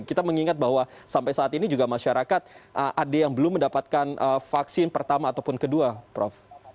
kita mengingat bahwa sampai saat ini juga masyarakat ada yang belum mendapatkan vaksin pertama ataupun kedua prof